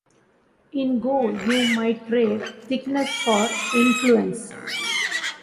In Go, you might trade "thickness" for "influence".